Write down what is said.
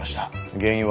原因は？